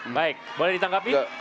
baik boleh ditangkapi